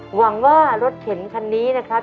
หวังว่ารถเข็นคันนี้นะครับ